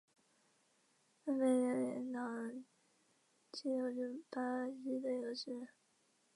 里贝朗齐纽是巴西马托格罗索州的一个市镇。